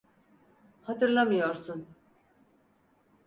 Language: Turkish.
Hatırlamıyorsun.